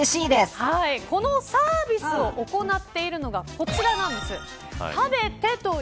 このサービスを行っているのがこちらなんです。